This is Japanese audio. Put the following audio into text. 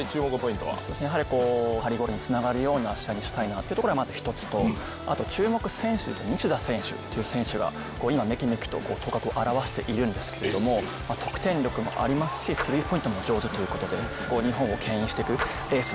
やはり。にしたいなっていうところがまず１つとあと注目選手に西田選手っていう選手が今メキメキと頭角を現しているんですけれども得点力もありますしスリーポイントも上手ということで日本をけん引して行く。